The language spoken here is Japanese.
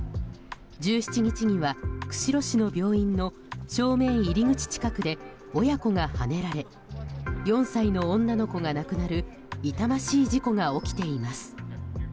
１７日には釧路市の病院の正面入り口近くで親子がはねられ４歳の女の子が亡くなる痛ましい事故が起きています。